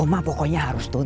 uma pokoknya harus tuntut uma